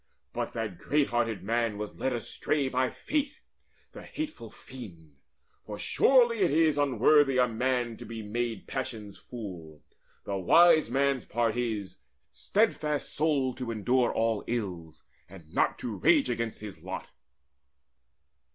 But that great hearted man was led astray By Fate, the hateful fiend; for surely it is Unworthy a man to be made passion's fool. The wise man's part is, steadfast souled to endure All ills, and not to rage against his lot."